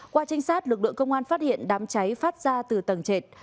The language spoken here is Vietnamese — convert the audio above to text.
qua trinh sát lực lượng công an phát hiện đám cháy phát ra từ tầng trệt